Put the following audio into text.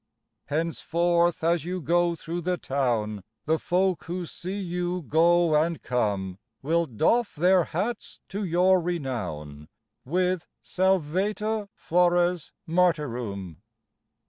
Henceforth as you go through the town The folk who see you go and come Will doff their hats to your renown, With : Salvete flores Martyrum